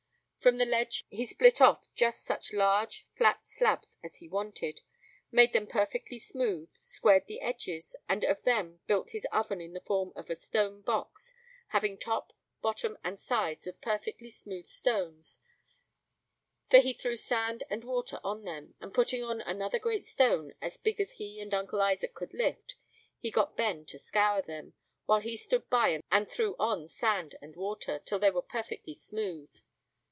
From this ledge he split off just such large, flat slabs as he wanted, made them perfectly smooth, squared the edges, and of them built his oven in the form of a stone box, having top, bottom, and sides of perfectly smooth stones; for he threw sand and water on them, and putting on another great stone, as big as he and Uncle Isaac could lift, he got Ben to scour them, while he stood by and threw on sand and water, till they were perfectly smooth.